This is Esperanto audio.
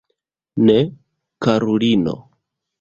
Ne, karulino.